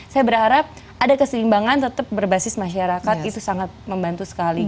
saya berharap ada keseimbangan tetap berbasis masyarakat itu sangat membantu sekali